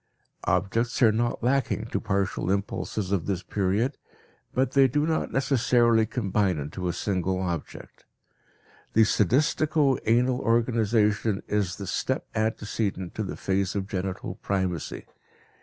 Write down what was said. Objects are not lacking to the partial impulses of this period, but they do not necessarily combine into a single object. The sadistico anal organization is the step antecedent to the phase of genital primacy.